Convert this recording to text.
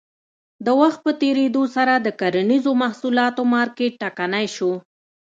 د وخت په تېرېدو سره د کرنیزو محصولاتو مارکېټ ټکنی شو.